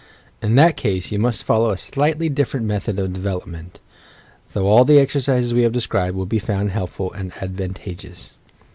In that case you must follow a slightly different method of development — though all the exercises we have described will be found helpful and advantageous.